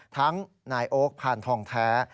ทั้งนายโอ๊คพานทองแท้